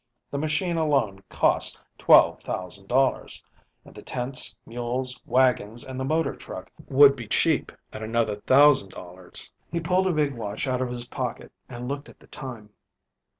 The machine alone cost $12,000, and the tents, mules, wagons, and the motor truck would be cheap at another thousand dollars." He pulled a big watch out of his pocket and looked at the time.